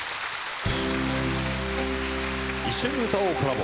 一緒に歌おうコラボ。